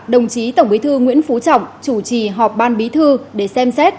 đồng chí tổng bí thư nguyễn phú trọng chủ trì họp ban bí thư để xem xét